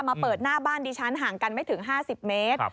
มาเปิดหน้าบ้านดิฉันห่างกันไม่ถึง๕๐เมตร